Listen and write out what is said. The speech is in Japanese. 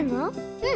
うん。